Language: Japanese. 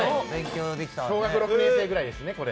小学６年生ぐらいですね、これ。